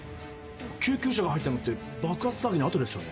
救急車が入ったのって爆発騒ぎの後ですよね？